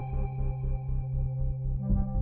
anda tidak menikmati tempat baru